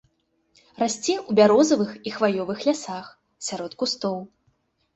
Расце ў бярозавых і хваёвых лясах, сярод кустоў.